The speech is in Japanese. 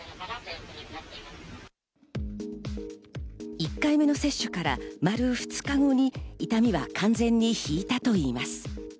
１回目の接種から丸２日後に痛みは完全にひいたといいます。